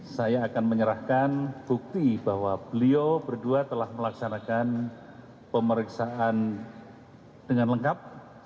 saya akan menyerahkan bukti bahwa beliau berdua telah melaksanakan pemeriksaan dengan lengkap